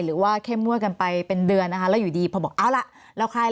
หรือว่าไปเป็นเดือนนะคะแล้วอยู่ดีพอบอกเอาล่ะแล้วใครแล้ว